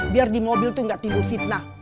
biar di mobil itu gak timbul fitnah